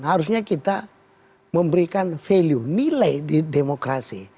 harusnya kita memberikan value nilai di demokrasi